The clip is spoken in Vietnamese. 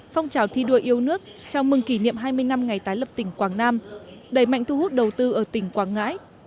phong trào thi đua yêu nước chào mừng kỷ niệm hai mươi năm ngày tái lập tỉnh quảng nam đẩy mạnh thu hút đầu tư ở tỉnh quảng ngãi